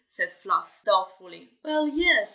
said Fluff, doubtfully. "Well, yes!"